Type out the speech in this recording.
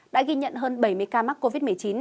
đã ghi nhận hơn bảy mươi ca mắc covid một mươi chín